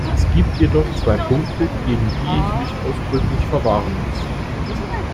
Es gibt jedoch zwei Punkte, gegen die ich mich ausdrücklich verwahren muss.